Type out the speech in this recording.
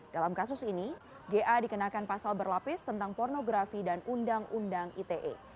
dalam kasus ini ga dikenakan pasal berlapis tentang pornografi dan undang undang ite